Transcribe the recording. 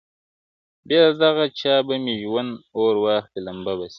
بېله دغه چا به مي ژوند اور واخلي لمبه به سي.